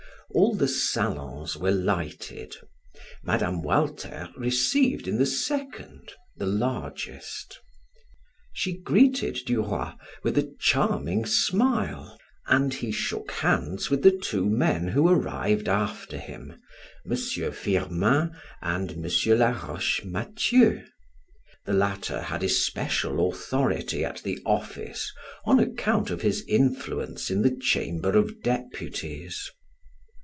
All the salons were lighted. Mme. Walter received in the second, the largest. She greeted Duroy with a charming smile, and he shook hands with two men who arrived after him, M. Firmin and M. Laroche Mathieu; the latter had especial authority at the office on account of his influence in the chamber of deputies.